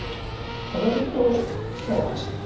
上がると飛車を走って。